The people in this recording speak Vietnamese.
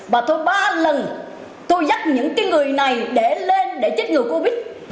và tôi ba lần tôi dắt những cái người này để lên để chết người covid